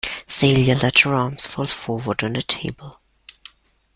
Celia let her arms fall forward on the table.